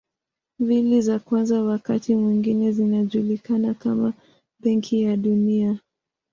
Mbili za kwanza wakati mwingine zinajulikana kama Benki ya Dunia.